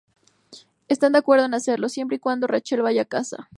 Están de acuerdo en hacerlo, siempre y cuando Rachel vaya a casa.